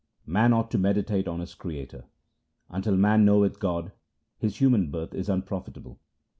Man ought to meditate on his Creator :— Until man knoweth God his human birth is unprofitable.